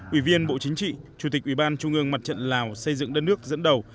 ủy viên bộ chính trị chủ tịch ủy ban trung ương mặt trận lào xây dựng đất nước dẫn đầu